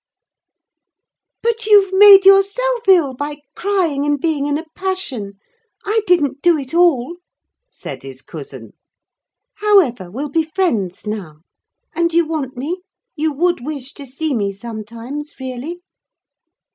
"But you've made yourself ill by crying and being in a passion.—I didn't do it all," said his cousin. "However, we'll be friends now. And you want me: you would wish to see me sometimes, really?"